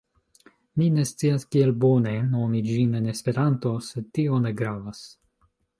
Mi ne scias kiel bone nomi ĝin en Esperanto, sed tio ne gravas.